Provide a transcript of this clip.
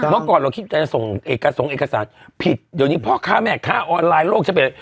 เมื่อก่อนเราคิดจะส่งเอกสารผิดเดี๋ยวนี้เพราะค้าแม่ค้าออนไลน์โลกเฉพาะ